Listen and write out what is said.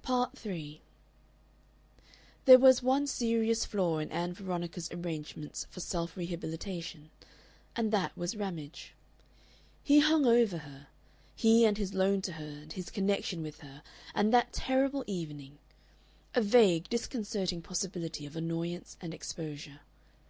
Part 3 There was one serious flaw in Ann Veronica's arrangements for self rehabilitation, and that was Ramage. He hung over her he and his loan to her and his connection with her and that terrible evening a vague, disconcerting possibility of annoyance and exposure.